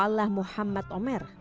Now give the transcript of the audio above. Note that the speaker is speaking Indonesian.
dalam perjalanan ke afganistan